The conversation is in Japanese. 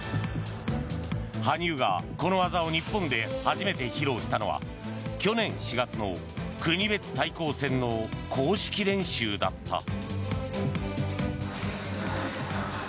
羽生が、この技を日本で初めて披露したのは去年４月の国別対抗戦の公式練習だった。